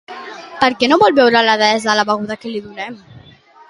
Per què no vol beure la deessa la beguda que li donen?